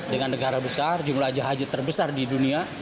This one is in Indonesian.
dengan negara besar jumlah haji terbesar di dunia